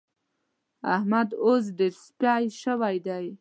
احمد اوس ډېر سپي شوی دی.